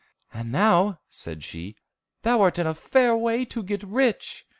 "And now," said she, "thou art in a fair way to get rich!"